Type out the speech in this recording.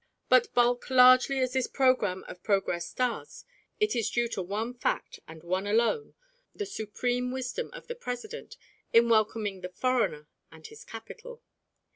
But bulk largely as this programme of progress does, it is due to one fact and one alone the supreme wisdom of the President in welcoming the foreigner and his capital.